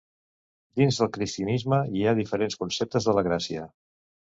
Dins del cristianisme hi ha diferents conceptes de la gràcia.